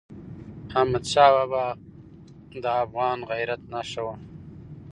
احمدشاه بابا د افغان غیرت نښه وه.